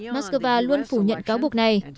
moscow luôn phủ nhận cáo buộc này